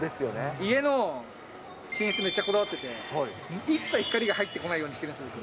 家の寝室、めっちゃこだわってて、一切光が入ってこないようにしてるんですよ。